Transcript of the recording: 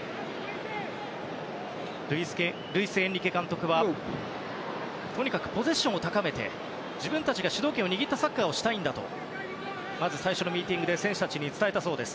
ルイス・エンリケ監督はとにかくポゼッションを高めて自分たちが主導権を握るサッカーをしたいんだとまず最初のミーティングで選手たちに伝えたそうです。